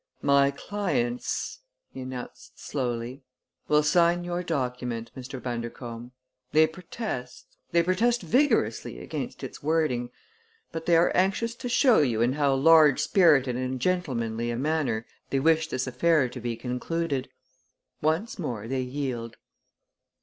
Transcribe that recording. "My clients," he announced slowly, "will sign your document, Mr. Bundercombe. They protest they protest vigorously against its wording; but they are anxious to show you in how large spirited and gentlemanly a manner they wish this affair to be concluded. Once more they yield."